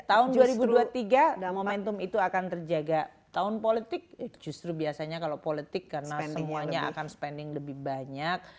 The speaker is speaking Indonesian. tahun dua ribu dua puluh tiga momentum itu akan terjaga tahun politik justru biasanya kalau politik karena semuanya akan spending lebih banyak